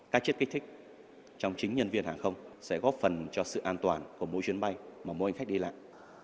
các chất kích thích trong chính nhân viên hàng không sẽ góp phần cho sự an toàn của mỗi chuyến bay mà mỗi hành khách đi lại